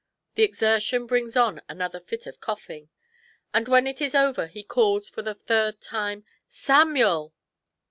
The exertion brings on another fit of coughing ; and when it is over he calls for the third time, " Samuel